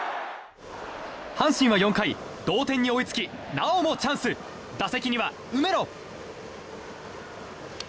阪神は４回、同点に追いつきなおもチャンス打席には、梅野。